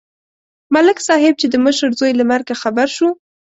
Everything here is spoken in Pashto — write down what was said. ملک صاحب چې د مشر زوی له مرګه خبر شو.